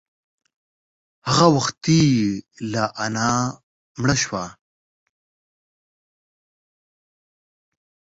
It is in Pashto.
هغه وختي لا انا مړه شوه.